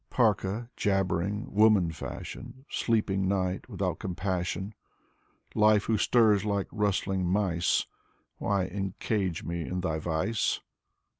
Parca, jabbering, woman fashion, Sleeping night, without compassion, Life, who stirs like rustling mice, Why encage me in thy vise?